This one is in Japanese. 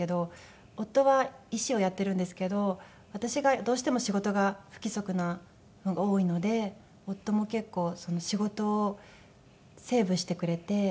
夫は医師をやってるんですけど私がどうしても仕事が不規則なのが多いので夫も結構仕事をセーブしてくれて。